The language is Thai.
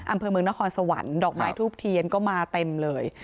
อำเภอเมืองนครสวรรค์ดอกไม้ทูบเทียนก็มาเต็มเลย